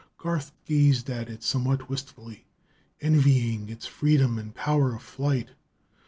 Garth gazed at it somewhat wistfully, envying its freedom and power of flight.